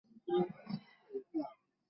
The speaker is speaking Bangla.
বিমান মাটিতে আছড়ে পড়বে।